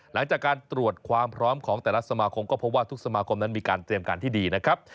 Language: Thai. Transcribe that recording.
หลังจากการตรวจความพร้อมของแต่ละสมาคมก็พบว่าทุกสมาคมนั้นมีการเตรียมการที่ดีนะครับ